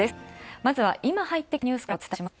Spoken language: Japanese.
まずは今入ってきたニュースお伝えします。